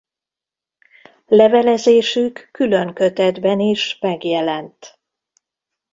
Levelezésük külön kötetben is megjelent.